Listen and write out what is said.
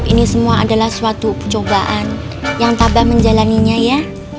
ini semua adalah suatu percobaan yang tabah menjalannya ya